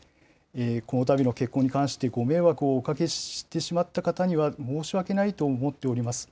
このたびの結婚に関して、ご迷惑をおかけしてしまった方には、申し訳ないと思っております。